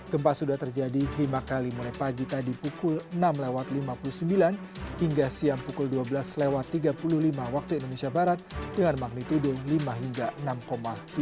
gempa sudah terjadi lima kali mulai pagi tadi pukul enam lewat lima puluh sembilan hingga siang pukul dua belas tiga puluh lima waktu indonesia barat dengan magnitudo lima hingga enam tiga